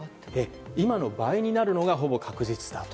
今の倍になるのがほぼ確実だと。